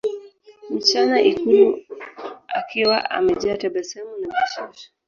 mchana ikulu akiwa amejaa tabasamu na bashasha